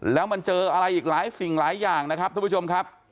แล้วมันเจออะไรอีกหลายสิ่งหลายอย่างนะครับทุกผู้ชมครับ